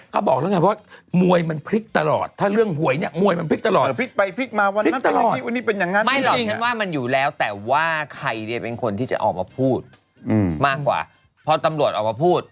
ต่างคนก็ต่างก็มาสาดกันไปสาดกันมาอยู่